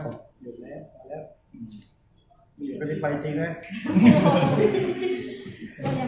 บอกแล้วนะครับผมเด็ดแล้วอะ